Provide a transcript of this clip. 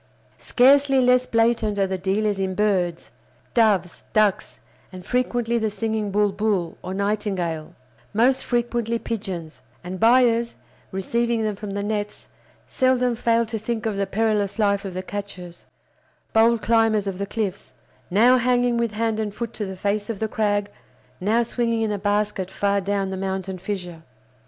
Scarcely less blatant are the dealers in birds—doves, ducks, and frequently the singing bulbul, or nightingale, most frequently pigeons; and buyers, receiving them from the nets, seldom fail to think of the perilous life of the catchers, bold climbers of the cliffs; now hanging with hand and foot to the face of the crag, now swinging in a basket far down the mountain fissure.